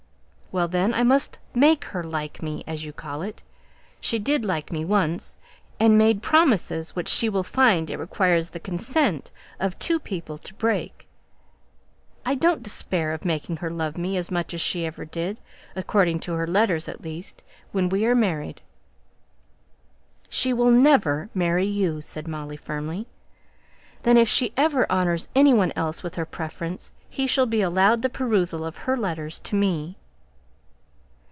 "Well, then, I must make her 'like' me, as you call it. She did 'like' me once, and made promises which she will find it requires the consent of two people to break. I don't despair of making her love me as much as ever she did, according to her letters, at least, when we are married." "She will never marry you," said Molly, firmly. "Then if she ever honours any one else with her preference, he shall be allowed the perusal of her letters to me."